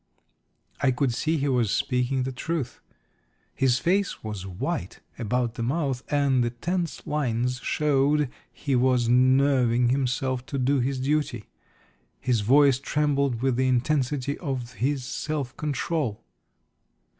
I could see he was speaking the truth. His face was white about the mouth, and the tense lines showed he was nerving himself to do his duty. His voice trembled with the intensity of his self control.